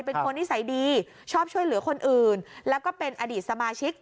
เป็นคนนิสัยดีชอบช่วยเหลือคนอื่นแล้วก็เป็นอดีตสมาชิก